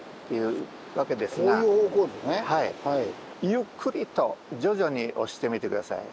ゆっくりと徐々に押してみて下さい。